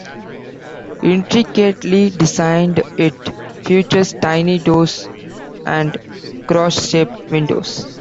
Intricately designed, it features tiny doors and cross-shaped windows.